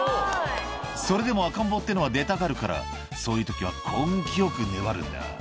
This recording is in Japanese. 「それでも赤ん坊ってのは出たがるからそういう時は根気よく粘るんだ」